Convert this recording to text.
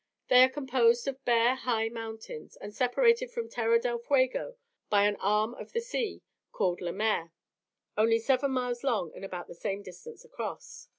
They are composed of bare high mountains, and separated from Terra del Fuego by an arm of the sea, called Le Maire, only seven miles long and about the same distance across.